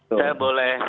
oke saya boleh